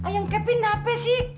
yang captain hp sih